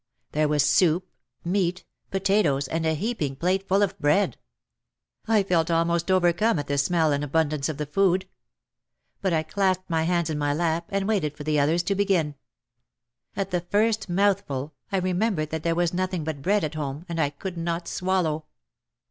There was soup, meat, potatoes and a heaping plate ful of bread. I felt almost overcome at the smell and abundance of the food. But I clasped my hands in my lap and waited for the others to begin. At the first mouthful I remembered that there was noth ing but bread at home, and I could not swallow.